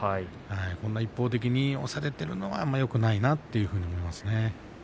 一方的に押されているのはよくないなと思いますよ。